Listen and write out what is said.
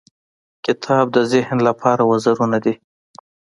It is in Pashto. • کتاب د ذهن لپاره وزرونه دي.